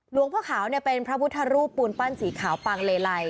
หลวงพ่อขาวเป็นพระพุทธรูปปูนปั้นสีขาวปางเลไล